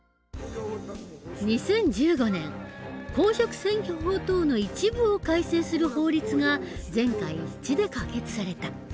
２０１５年公職選挙法等の一部を改正する法律が全会一致で可決された。